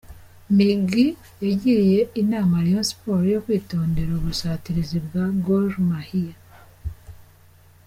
Migi yagiriye inama Rayon Sports yo kwitondera ubusatirizi bwa Gor Mahia.